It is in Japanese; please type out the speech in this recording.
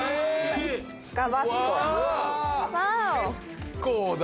「結構だ」